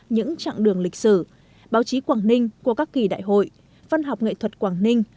những chặng đường lịch sử báo chí quảng ninh qua các kỳ đại hội văn học nghệ thuật quảng ninh